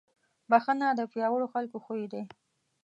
بښنه د پیاوړو خلکو خوی دی.